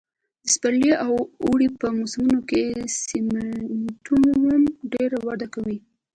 د پسرلي او اوړي په موسمونو کې سېمنټوم ډېره وده کوي